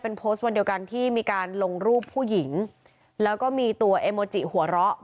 เป็นโพสต์วันเดียวกันที่มีการลงรูปผู้หญิงแล้วก็มีตัวเอโมจิหัวเราะ